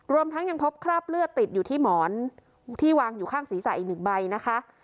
รวมทั้งยังพบคราบเลือดติดอยู่ที่หมอนที่วางอยู่ข้างศีรษะอีกหนึ่งใบนะคะ